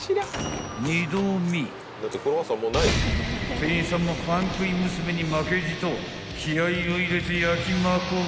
［店員さんもパン食い娘に負けじと気合を入れて焼きまくる］